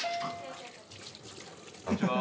こんにちは。